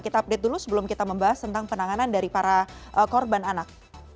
kita update dulu sebelum kita membahas tentang penanganan dari para korban anak